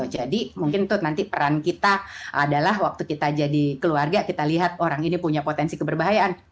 jadi mungkin itu nanti peran kita adalah waktu kita jadi keluarga kita lihat orang ini punya potensi keberbahayaan